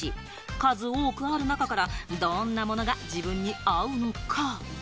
数多くある中からどんなものが自分に合うのか？